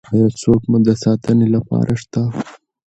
ایا څوک مو د ساتنې لپاره شته؟